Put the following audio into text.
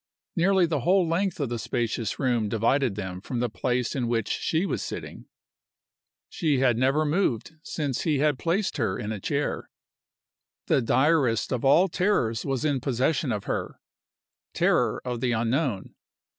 Nearly the whole length of the spacious room divided them from the place in which she was sitting. She had never moved since he had placed her in a chair. The direst of all terrors was in possession of her terror of the unknown.